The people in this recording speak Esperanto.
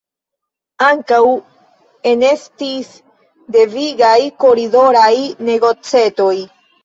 Ankaŭ enestis devigaj koridoraj negocetoj.